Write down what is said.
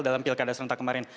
dalam pilkada serentak kemarin